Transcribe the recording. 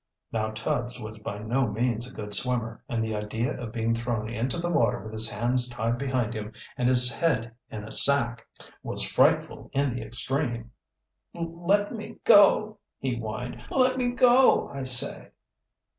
Now Tubbs was by no means a good swimmer, and the idea of being thrown into the water with his hands tied behind him and his head in a sack was frightful in the extreme. "Le let me go!" he whined. "Let me go, I say!"